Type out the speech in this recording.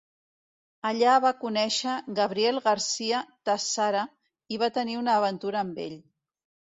Allí va conèixer Gabriel García Tassara i va tenir una aventura amb ell.